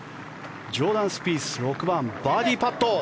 ジョーダン・スピース６番、バーディーパット。